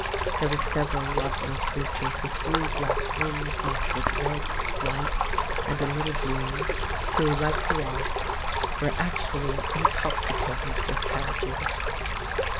There were several lovely creatures with blue black wings marked with red, white and a little blue, who, like the wasps, were actually intoxicated with pear juice!